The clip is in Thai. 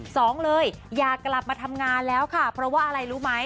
สองเลยอยากกลับมาทำงานแล้วค่ะเพราะว่าอะไรรู้ไหม